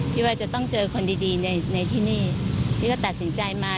พี่ว่าจะต้องเจอคนดีในที่นี่พี่ก็ตัดสินใจมา